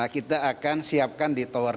kita akan siapkan di tower